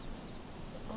あ。